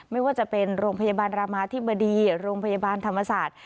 ไม่ว่าจะเป็นโรงพยาบาลรามาธิบดีโรงพยาบาลธรรมศาสตร์